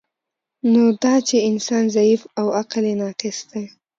نو دا چی انسان ضعیف او عقل یی ناقص دی